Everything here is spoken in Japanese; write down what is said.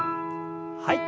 はい。